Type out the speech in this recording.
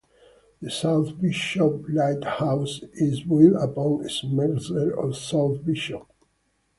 The South Bishop Lighthouse is built upon Emsger or South Bishop.